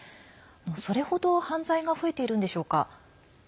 それ程、犯罪が増えているんでしょうか。